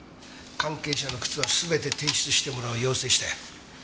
関係者の靴は全て提出してもらうよう要請したよ。